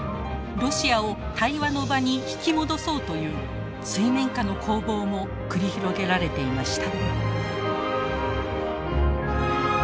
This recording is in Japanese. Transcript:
ロシアを対話の場に引き戻そうという水面下の攻防も繰り広げられていました。